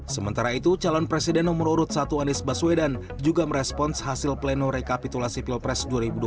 sementara itu calon presiden nomor urut satu anies baswedan juga merespons hasil pleno rekapitulasi pilpres